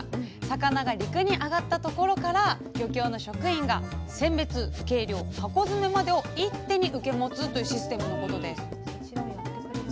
魚が陸にあがったところから漁協の職員が選別計量箱詰めまでを一手に受け持つというシステムのことです。